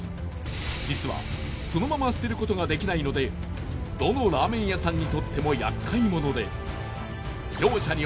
実はそのまま捨てることができないのでどのラーメン屋さんにとっても厄介者で。